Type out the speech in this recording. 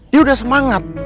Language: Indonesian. dia udah semangat